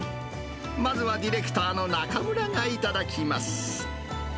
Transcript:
まずはディレクターのなかむらが頂きます。